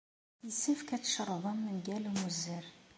Yessefk ad tcerḍem mgal ummuzzer.